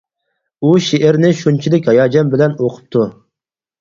ئۇ شېئىرنى شۇنچىلىك ھاياجان بىلەن ئوقۇپتۇ.